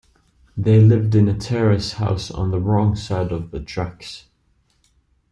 They lived in a terrace house, on the wrong side of the tracks